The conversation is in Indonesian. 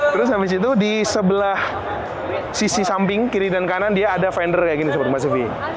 terus habis itu disebelah sisi samping kiri dan kanan dia ada fender kayak gini sahabat kompastv